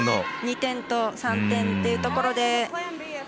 ２点と３点というところで。